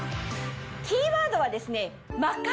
キーワードはですね。